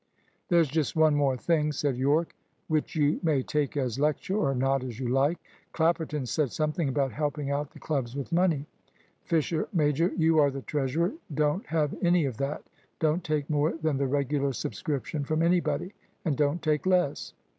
"There's just one more thing," said Yorke, "which you may take as lecture or not as you like. Clapperton said something about helping out the clubs with money. Fisher major, you are the treasurer; don't have any of that. Don't take more than the regular subscription from anybody, and don't take less.